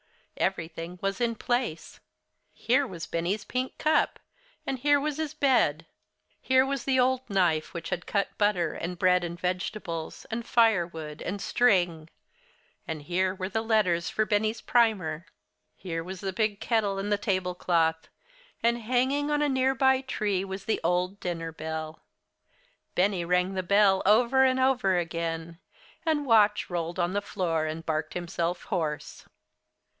Everything was in place. Here was Benny's pink cup, and here was his bed. Here was the old knife which had cut butter and bread, and vegetables, and firewood, and string, and here were the letters for Benny's primer. Here was the big kettle and the tablecloth. And hanging on a near by tree was the old dinner bell. Benny rang the bell over and over again, and Watch rolled on the floor and barked himself hoarse.